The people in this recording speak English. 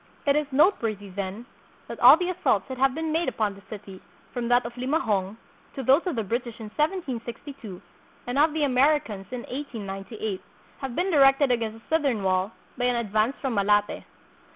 It is noteworthy, then, that all the assaults that have been made upon the city, from that of Limahong, to those of the British in 1762, and of the Americans in 1898, have been directed against the southern wall by an ad vance from Malate.